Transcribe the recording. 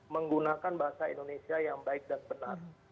menggunakan bahasa indonesia yang baik dan benar